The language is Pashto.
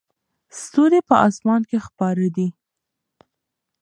ستوري په اسمان کې خپاره دي.